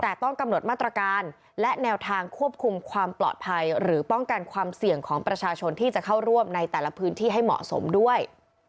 แต่ต้องกำหนดมาตรการและแนวทางควบคุมความปลอดภัยหรือป้องกันความเสี่ยงของประชาชนที่จะเข้าร่วมในแต่ละพื้นที่ให้เหมาะสมด้วย